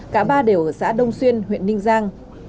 cả ba đều ở xã đông xuyên huyện ninh giang